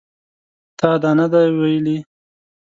تا دا نه دي ویلي